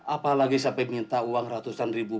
apalagi sampai minta uang ratusan ribu